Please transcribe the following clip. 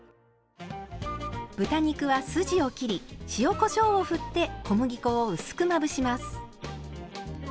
豚肉は筋を切り塩こしょうを振って小麦粉を薄くまぶします。